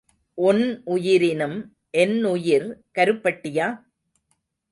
உன் உயிரினும் என் உயிர் கருப்பட்டியா?